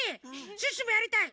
シュッシュもやりたい！